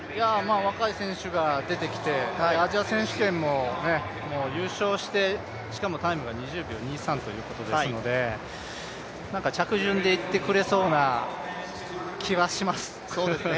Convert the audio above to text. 若い選手が出てきてアジア選手権も優勝してしかもタイムが２０秒２３ということですので着順で行ってくれそうな気はします。